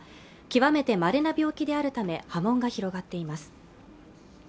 極めてまれな病気であるため波紋が広がっています